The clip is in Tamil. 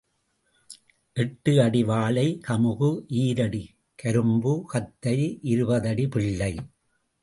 எட்டு அடி வாழை, கமுகு ஈரடி கரும்பு, கத்தரி இருபதடி பிள்ளை